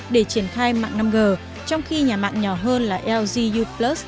để triển khai mạng năm g trong khi nhà mạng nhỏ hơn là lg u plus